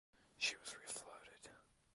She was refloated.